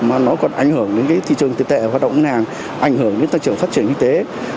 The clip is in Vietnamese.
mà nó còn ảnh hưởng đến thị trường tiền tệ hoạt động ngân hàng ảnh hưởng đến tăng trưởng phát triển kinh tế